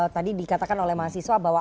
tadi dikatakan oleh mahasiswa bahwa